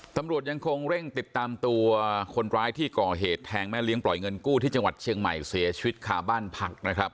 ตำรวจยังคงเร่งติดตามตัวคนร้ายที่ก่อเหตุแทงแม่เลี้ยงปล่อยเงินกู้ที่จังหวัดเชียงใหม่เสียชีวิตคาบ้านพักนะครับ